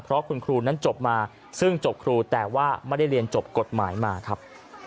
เพราะคุณครูนั้นจบมาซึ่งจบครูแต่ว่าไม่ได้เรียนจบกฎหมายมาครับ